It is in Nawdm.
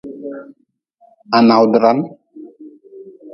Ha nawdran.